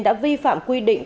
đã vi phạm quy định